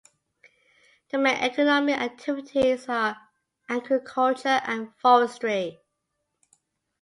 The main economic activities are agriculture and forestry.